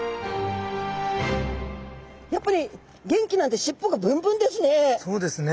やっぱり元気なんでしっぽがブンブンですね。